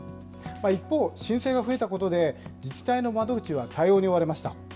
一方、申請が増えたことで、自治体の窓口は対応に追われました。